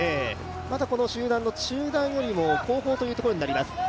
まずは集団の中団よりも後方ということになります。